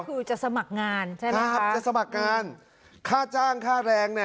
คือจะสมัครงานใช่ไหมนะครับจะสมัครงานค่าจ้างค่าแรงเนี่ย